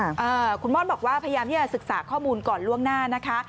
คุณม่อนธนชายบอกว่าพยายามศึกษาข้อมูลก่อนล่วงหน้านะคะ